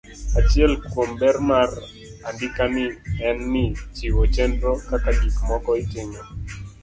Achiel kuom ber mar andikani en ni ochiwo chenro kaka gik moko itimo.